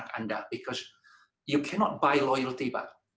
karena anda tidak bisa membeli kebenaran pak